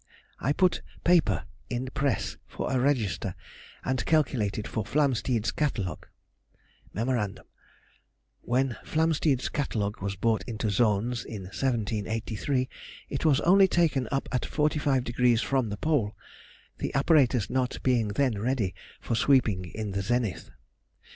_—I put paper in press for a register, and calculated for Flamsteed's Catalogue. Mem.—When Flamsteed's Catalogue was brought into zones in 1783, it was only taken up at 45° from the Pole, the apparatus not being then ready for sweeping in the zenith.